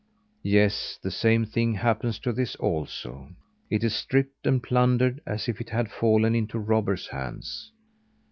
Yes, the same thing happens to this also. It is stripped and plundered, as if it had fallen into robbers' hands.